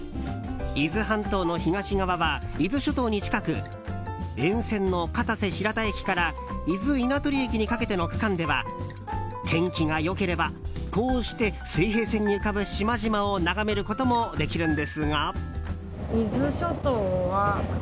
伊豆半島の東側は伊豆諸島に近く沿線の片瀬白田駅から伊豆稲取駅にかけての区間では天気が良ければこうして水平線に浮かぶ島々を眺めることもできるんですが。